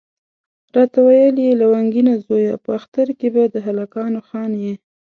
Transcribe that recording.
راته ویل یې لونګینه زویه په اختر کې به د هلکانو خان یې.